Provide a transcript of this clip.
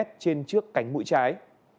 trên trước cánh mũi trái